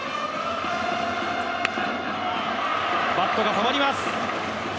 バットが止まります。